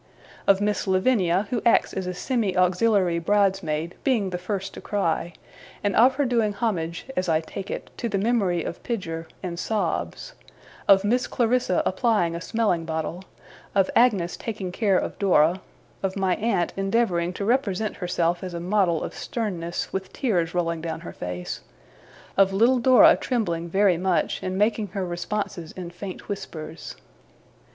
Of Miss Lavinia, who acts as a semi auxiliary bridesmaid, being the first to cry, and of her doing homage (as I take it) to the memory of Pidger, in sobs; of Miss Clarissa applying a smelling bottle; of Agnes taking care of Dora; of my aunt endeavouring to represent herself as a model of sternness, with tears rolling down her face; of little Dora trembling very much, and making her responses in faint whispers.